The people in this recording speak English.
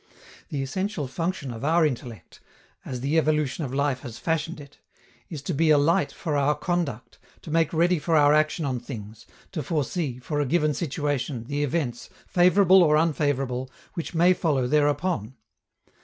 The essential function of our intellect, as the evolution of life has fashioned it, is to be a light for our conduct, to make ready for our action on things, to foresee, for a given situation, the events, favorable or unfavorable, which may follow thereupon.